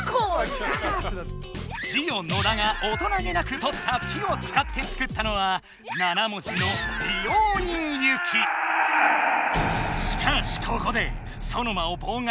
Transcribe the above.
ジオ野田が大人げなくとった「き」を使って作ったのは７文字のしかしここでソノマをぼうがいしたむくいが！